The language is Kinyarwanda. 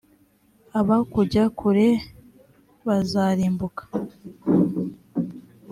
abakujya kure bazarimbuka .